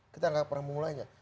kita tidak pernah memulainya